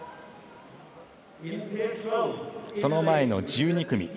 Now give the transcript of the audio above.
その前の１２組。